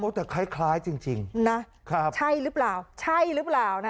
โอ้แต่คล้ายคล้ายจริงจริงนะครับใช่หรือเปล่าใช่หรือเปล่านะฮะ